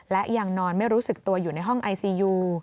และยังนอนไม่รู้สึกตัวอยู่ในห้องไอซียู